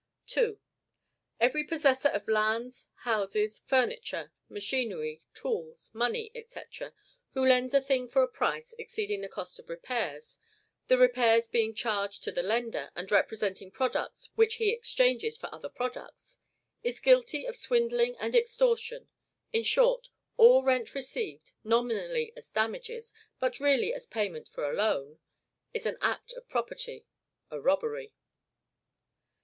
2. Every possessor of lands, houses, furniture, machinery, tools, money, &c., who lends a thing for a price exceeding the cost of repairs (the repairs being charged to the lender, and representing products which he exchanges for other products), is guilty of swindling and extortion. In short, all rent received (nominally as damages, but really as payment for a loan) is an act of property, a robbery.